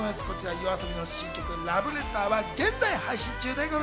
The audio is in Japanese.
ＹＯＡＳＯＢＩの新曲『ラブレター』は現在配信中です。